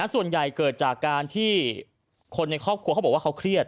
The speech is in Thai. เกิดจากการที่คนในครอบครัวเขาบอกว่าเขาเครียด